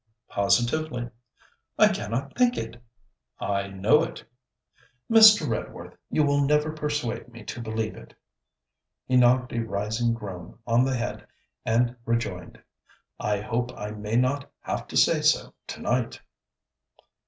'Positively.' 'I cannot think it.' 'I know it.' 'Mr. Redworth, you will never persuade me to believe it.' He knocked a rising groan on the head, and rejoined 'I hope I may not have to say so to night.'